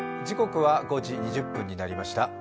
時刻は５時２０分になりました。